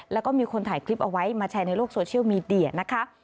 แล้วก็มีคนถ่ายคลิปเอาไว้มาแชร์ในโลกโซเชียลมีเดียนะคะ